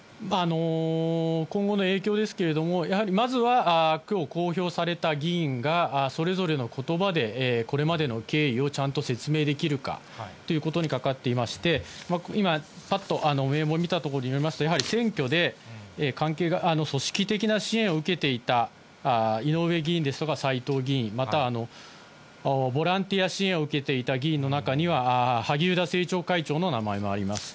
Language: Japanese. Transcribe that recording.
今後の影響ですけれども、やはりまずは、きょう公表された議員が、それぞれのことばでこれまでの経緯をちゃんと説明できるかということにかかっていまして、今、ぱっと名簿見たところによりますと、やはり選挙で、組織的な支援を受けていた井上議員ですとかさいとう議員、または、ボランティア支援を受けていた議員の中には萩生田政調会長の名前もあります。